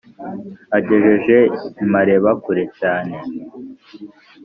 agejeje i mareba kure cyane